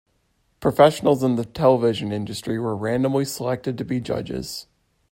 Professionals in the television industry were randomly selected to be judges.